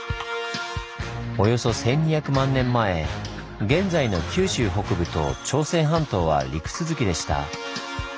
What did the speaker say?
およそ１，２００万年前現在の九州北部と朝鮮半島は陸続きでした。